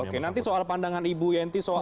oke nanti soal pandangan ibu yenti